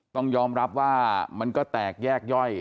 ต้องยอมรับว่ามันก็แตกแยกย่อย